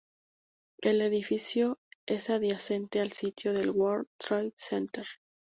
El edificio es adyacente al sitio del World Trade Center.